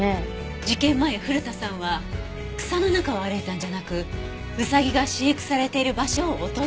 事件前古田さんは草の中を歩いたんじゃなくウサギが飼育されている場所を訪れていた？